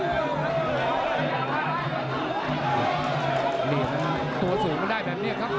นี่ตัวสูงมาได้แบบนี้ครับ